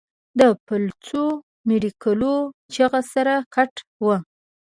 د پلوڅو، منډکول چغه سر، ګټ و